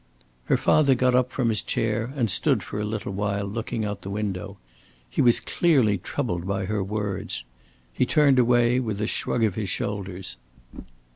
Her father got up from his chair and stood for a little while looking out of the window. He was clearly troubled by her words. He turned away with a shrug of his shoulders.